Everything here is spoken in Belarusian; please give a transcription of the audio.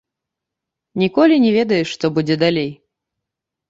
Ніколі не ведаеш, што будзе далей.